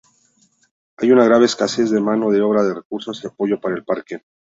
Hay una grave escasez de mano de obra, recursos y apoyo para el parque.